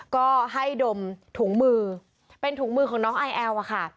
ก็ให้ดมถุงมือเป็นถุงมือของน้องไอแอลอะค่ะ